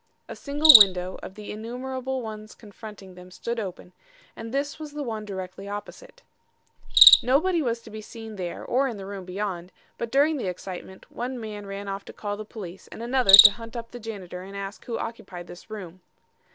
A single window of the innumerable ones confronting them stood open, and this was the one directly opposite. "'Nobody was to be seen there or in the room beyond, but during the excitement, one man ran off to call the police and another to hunt up the janitor and ask who occupied this room.